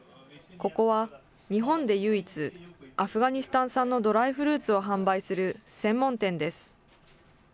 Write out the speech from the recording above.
ここは日本で唯一アフガニスタン産のドライフルーツを販売する専門店です。